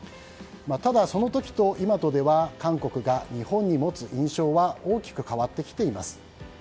ただ、その時と今とでは、韓国が日本に持つ印象は大きく変わってきています。